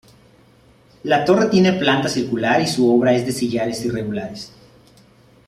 La torre tiene planta circular, y su obra es de sillares irregulares.